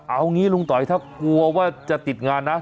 เอางี้ลุงต๋อยถ้ากลัวว่าจะติดงานนะ